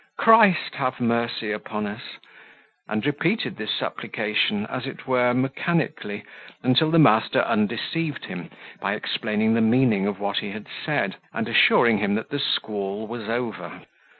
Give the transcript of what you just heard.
Christ have mercy upon us;" and repeated this supplication, as it were mechanically, until the master undeceived him by explaining the meaning of what he had said, and assuring him that the squall was over.